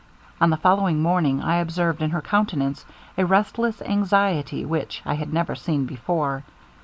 On the following morning, I observed in her countenance a restless anxiety which I had never seen before.